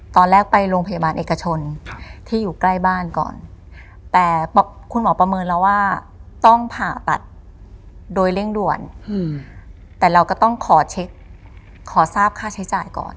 ตอนแรกไปโรงพยาบาลเอกชนที่อยู่ใกล้บ้านก่อนแต่คุณหมอประเมินแล้วว่าต้องผ่าตัดโดยเร่งด่วนแต่เราก็ต้องขอเช็คขอทราบค่าใช้จ่ายก่อน